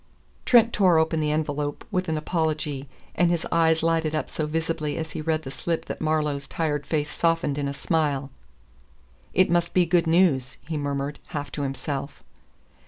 Trent tore open the envelop with an apology, and his eyes lighted up so visibly as he read the slip that Marlowe's tired face softened in a smile. "It must be good news," he murmured half to himself.